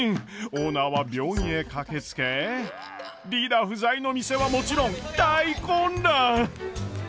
オーナーは病院へ駆けつけリーダー不在の店はもちろん大混乱！